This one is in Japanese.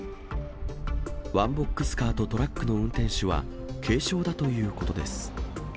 ワンボックスカーとトラックの運転手は軽傷だということです。